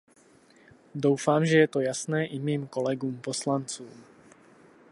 Doufám, že je to jasné i mým kolegům poslancům.